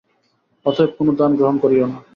অতএব কোন দান গ্রহণ করিও না।